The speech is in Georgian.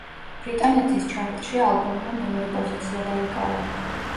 ბრიტანეთის ჩარტში ალბომმა მეორე პოზიცია დაიკავა.